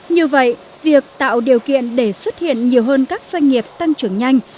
như vậy việc tạo điều kiện để xuất hiện nhiều hơn các doanh nghiệp tăng trưởng nhanh